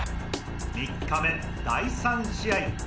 ３日目第３試合。